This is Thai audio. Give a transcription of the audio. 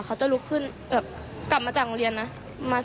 เขากลับมาจากโรงเรียนมา